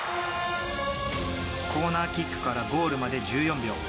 コーナーキックからゴールまで１４秒。